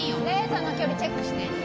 レーザーの距離チェックして。